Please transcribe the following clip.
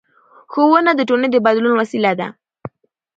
ښوونه د ټولنې د بدلون وسیله ده